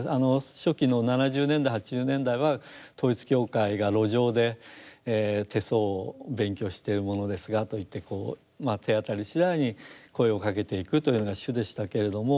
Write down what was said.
初期の７０年代８０年代は統一教会が路上で「手相を勉強している者ですが」と言って手当たりしだいに声をかけていくというのが主でしたけれども。